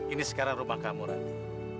ini sekarang rumah kamu nanti